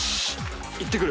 いってくる。